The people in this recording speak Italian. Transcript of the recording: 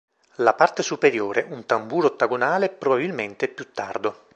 La parte superiore, un tamburo ottagonale probabilmente più tardo.